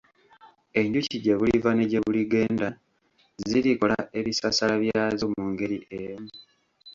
Enjuki gye buliva ne gye buligenda zirikola ebisasala byazo mu ngeri emu.